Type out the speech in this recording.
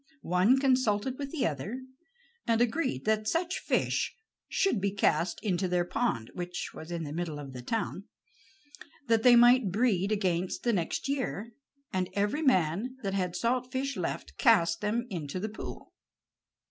One consulted with the other, and agreed that such fish should be cast into their pond (which was in the middle of the town), that they might breed against the next year, and every man that had salt fish left, cast them into the pool.